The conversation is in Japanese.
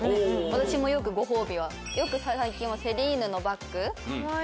私もよくご褒美はよく最近はセリーヌのバッグ。